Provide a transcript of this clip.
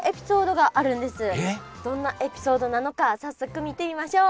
どんなエピソードなのか早速見てみましょう。